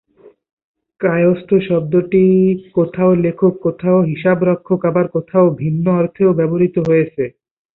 কায়স্থ শব্দটি কোথাও লেখক, কোথাও হিসাবরক্ষক আবার কোথাও ভিন্ন অর্থেও ব্যবহৃত হয়েছে।